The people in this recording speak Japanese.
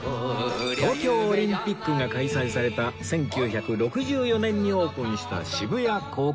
東京オリンピックが開催された１９６４年にオープンした渋谷公会堂